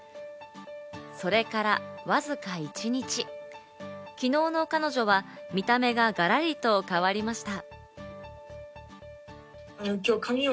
それからわずか１日、昨日の彼女は見た目がガラリと変わりました。